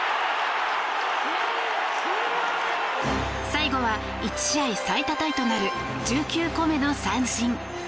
最後は１試合最多タイとなる１９個目の三振。